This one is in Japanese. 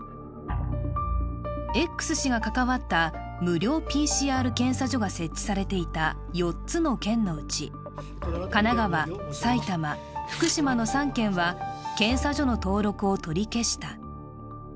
Ｘ氏が関わった無料ＰＣＲ検査所が設置されていた４つの県のうち、神奈川、埼玉、福島の３県は検査所の登録を取り消した。